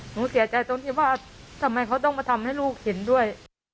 หนูเสียใจตรงที่ว่าทำไมเขาต้องมาทำให้ลูกเห็นด้วย